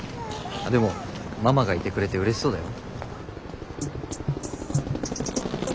でもママがいてくれてうれしそうだよ。